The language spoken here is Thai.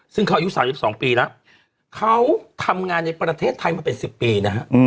ซึ่งเขาอายุ๓๒ปีแล้วเขาทำงานในประเทศไทยมาเป็น๑๐ปีนะฮะ